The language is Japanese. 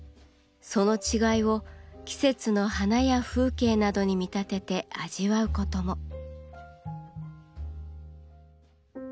その違いを季節の花や風景などに見立てて味わうことも。